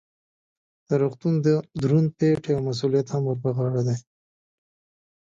د روغتون دروند پیټی او مسؤلیت هم ور په غاړه دی.